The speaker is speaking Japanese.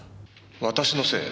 私のせい？